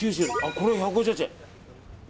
これは１５８円。